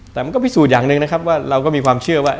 แต่มันก็พิสูจน์อย่างหนึ่งนะครับว่าเราก็มีความเชื่อว่า